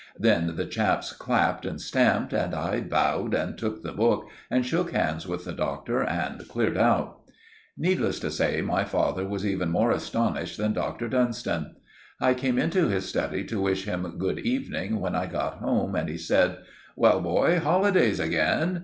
Then the chaps clapped and stamped, and I bowed and took the book, and shook hands with the Doctor and cleared out. Needless to say, my father was even more astonished than Dr. Dunstan. I came into his study to wish him good evening when I got home, and he said, "Well, boy, holidays again?